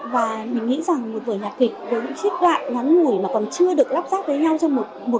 và mình nghĩ rằng một vở nhạc kịch với những chiếc đoạn ngắn ngủi mà còn chưa được lắp ráp với nhau trong một cái tiến trình dài